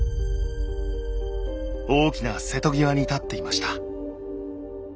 大きな瀬戸際に立っていました。